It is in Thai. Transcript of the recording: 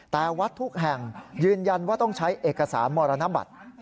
แต่วัดทุกแห่งยืนยันว่าต้องใช้เอกสารมรณบัตร